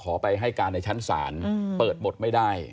ไปให้การในชั้นศาลเปิดหมดไม่ได้